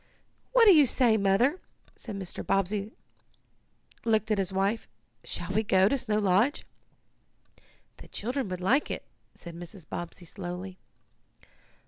"What do you say, Mother?" and Mr. Bobbsey looked at his wife. "Shall we go to Snow Lodge?" "The children would like it," said Mrs. Bobbsey slowly.